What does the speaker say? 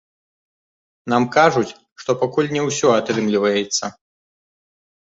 Нам кажуць, што пакуль не ўсё атрымліваецца.